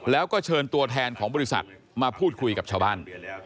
แล้วก็เชิญตัวแทนของบริษัทมาพูดคุยกับชาวบ้าน